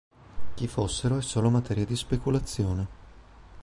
Chi fossero è solo materia di speculazione.